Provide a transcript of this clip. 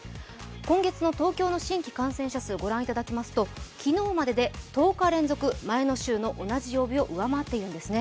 今月の東京の新規感染者数をご覧いただきますと昨日までで１０日連続前の週の同じ曜日を上回っているんですね。